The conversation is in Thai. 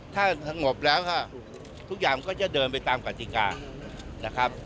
ถ้าสงบแล้วก็ทุกอย่างมันก็จะเดินไปตามกติกานะครับ